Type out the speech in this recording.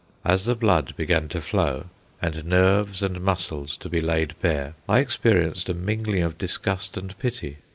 As the blood began to flow, and nerves and muscles to be laid bare, I experienced a mingling of disgust and pity.